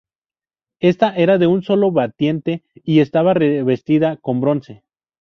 Esta era de un solo batiente y estaba revestida con bronce.